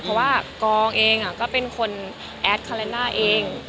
เพราะว่ากองเองก็เป็นคนแอดคาเลน่าเอง